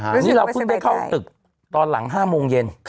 นี่เราเพิ่งไปเข้าตึกตอนหลัง๕โมงเย็น